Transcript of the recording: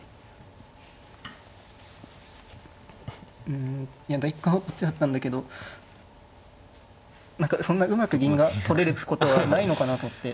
うんいや第一感はこっちだったんだけど何かそんなうまく銀が取れることはないのかなと思って。